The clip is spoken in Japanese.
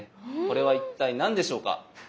これは一体何でしょうか？